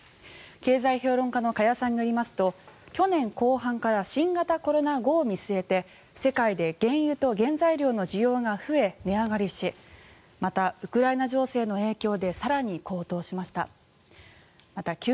経済評論家の加谷さんによりますと去年後半から新型コロナ後を見据えて世界で原油と原材料の需要が増え値上がりしまた、ウクライナ情勢の影響で更に高騰しました。